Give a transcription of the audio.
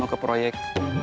kamu ke proyek